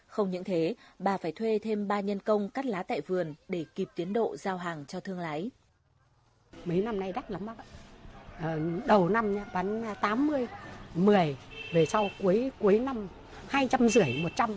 không những thế bà phải thuê thêm ba nhân công cắt lá tại vườn để kịp tiến độ giao hàng cho thương lái